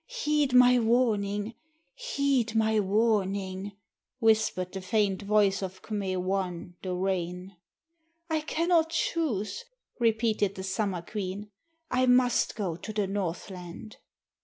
"Heed my warning! Heed my warning!" whispered the faint voice of K'me wan, the Rain. "I can not choose," repeated the Summer Queen. "I must go to the Northland."